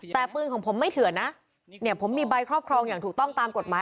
แต่ปืนของผมไม่เถื่อนนะเนี่ยผมมีใบครอบครองอย่างถูกต้องตามกฎหมาย